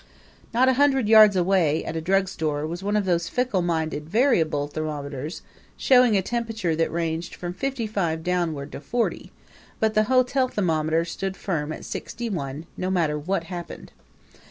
Not a hundred yards away, at a drug store, was one of those fickle minded, variable thermometers, showing a temperature that ranged from fifty five on downward to forty; but the hotel thermometer stood firm at sixty one, no matter what happened.